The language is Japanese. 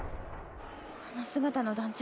あの姿の団長